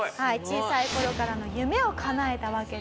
小さい頃からの夢をかなえたわけですね。